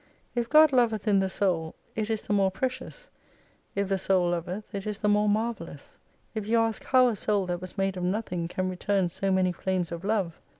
If God loveth in the Soul it is the more precious, if the Soul loveth it is the more marvellous. If you ask how a Soul that was made of nothing can return so many flames of Love